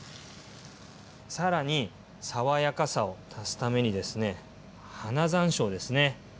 更に爽やかさを足すためにですね花山椒ですね。